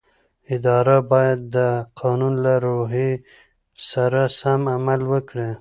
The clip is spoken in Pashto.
اداره باید د قانون له روحیې سره سم عمل وکړي.